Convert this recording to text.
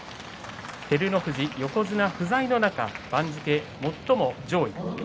照ノ富士、横綱不在の中で番付最も上位。